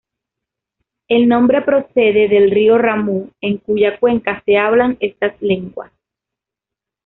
El nombre procede del río Ramu en cuya cuenca se hablan estas lenguas.